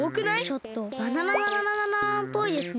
ちょっとバナナナナナナナーンっぽいですね。